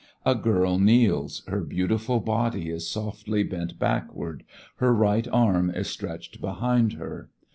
A girl kneels, her beautiful body is softly bent backward, her right arm is stretched behind her.